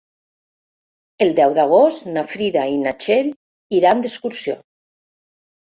El deu d'agost na Frida i na Txell iran d'excursió.